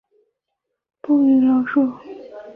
不溶于醇。